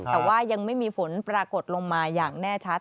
แต่ว่ายังไม่มีฝนปรากฏลงมาอย่างแน่ชัด